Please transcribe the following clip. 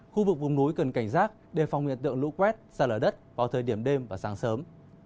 khu vực vùng núi cần cảnh giác đề phòng hiện tượng lũ quét xa lở đất vào thời điểm đêm và sáng sớm